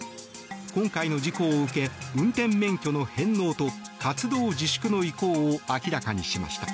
今回の事故を受け運転免許の返納と活動自粛の意向を明らかにしました。